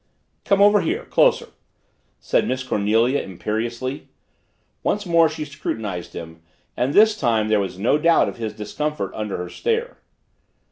"Come over here closer " said Miss Cornelia imperiously. Once more she scrutinized him and this time there was no doubt of his discomfort under her stare.